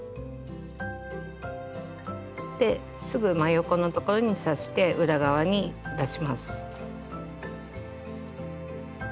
ですぐ真横のところに刺して裏側に出します。